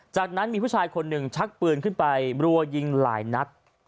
จากนั้นมีผู้ชายคนหนึ่งชักปืนขึ้นไปรัวยิงหลายนัด